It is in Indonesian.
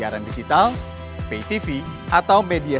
dan ngawal pemudik yang mau balik